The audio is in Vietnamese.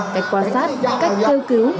cách quan sát cách theo cứu